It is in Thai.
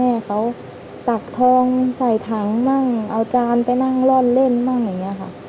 ไปช่วยแม่เขาตักทองใส่ถังเอาจานไปนั่งร่อนเล่นบ้างอย่างนี้ค่ะ